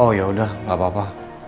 oh yaudah gapapa